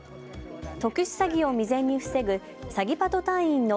特殊詐欺を未然に防ぐサギパト隊員の